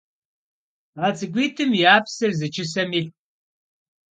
А цӏыкӏуитӏым я псэр зы чысэм илът.